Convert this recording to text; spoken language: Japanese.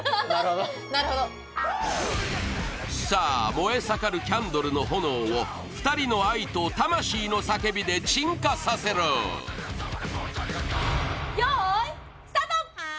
燃え盛るキャンドルの炎を２人の愛と魂の叫びで鎮火させろよーいスタート！